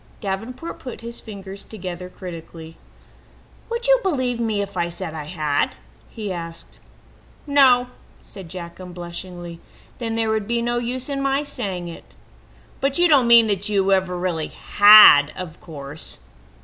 Davenport put his finger tips critically together. "Would you believe me if I said I had?" he asked. "No," said Jack unblushingly. "Then there would be no use in my saying it." "But you don't mean that you ever really had, of course?"